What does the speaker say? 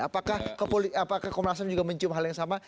apakah komnas ham juga mencium hal yang sama